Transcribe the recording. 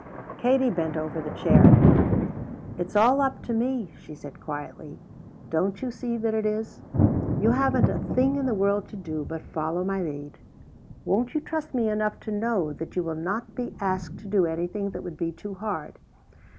Katie bent over the chair. "It's all 'up to me,'" she said quietly. "Don't you see that it is? You haven't a thing in the world to do but follow my lead. Won't you trust me enough to know that you will not be asked to do anything that would be too hard?